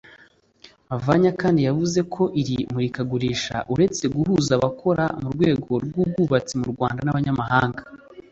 Mavany kandi yavuze ko iri murikagurisha uretse guhuza abakora mu rwego rw’ubwubatsi mu Rwanda n’abanyamahanga